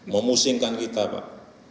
memusingkan kita pak